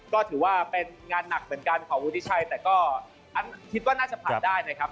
ก็ถือว่าเป็นงานหนักเหมือนกันของวุฒิชัยแต่ก็คิดว่าน่าจะผ่านได้นะครับ